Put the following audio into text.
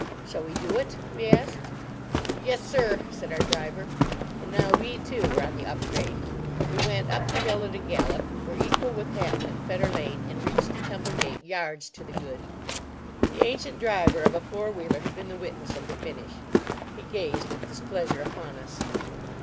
"Shall we do it?" we asked. "Yessir," said our driver. And now we, too, were on the up grade. We went up the hill at a gallop: were equal with Hatton at Fetter Lane, and reached the Temple Gate yards to the good. The ancient driver of a four wheeler had been the witness of the finish. He gazed with displeasure upon us.